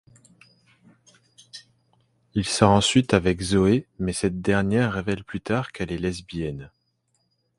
Il sort ensuite avec Zoë mais cette dernière révèle plus tard qu'elle est lesbienne.